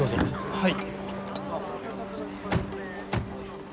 はい。